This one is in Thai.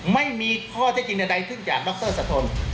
ไม่มีข้อเจ้าจริงในใดทึ่งจากดรสัทน